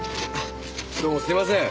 どうもすいません。